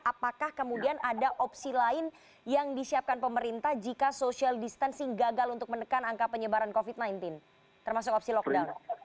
apakah kemudian ada opsi lain yang disiapkan pemerintah jika social distancing gagal untuk menekan angka penyebaran covid sembilan belas termasuk opsi lockdown